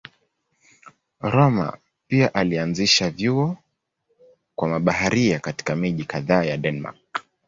Rømer pia alianzisha vyuo kwa mabaharia katika miji kadhaa ya Denmark.